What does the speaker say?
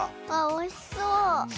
おいしそう！